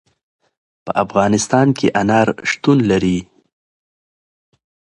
په افغانستان کې انار شتون لري.